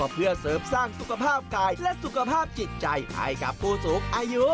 เพื่อเสริมสร้างสุขภาพกายและสุขภาพจิตใจให้กับผู้สูงอายุ